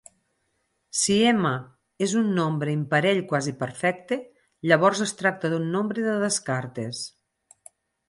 Si "m" és un nombre imparell quasiperfecte, llavors es tracta d'un nombre de Descartes.